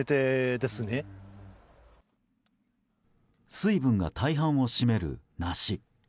水分が大半を占める梨。